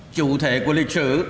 chủ thể của lịch sử